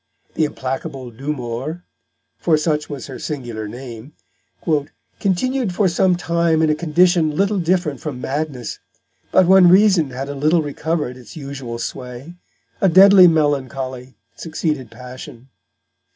The implacable Douxmoure (for such was her singular name) "continued for some time in a Condition little different from Madness; but when Reason had a little recovered its usual Sway, a deadly Melancholy succeeded Passion."